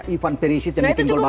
ivan perisic yang bikin gol baru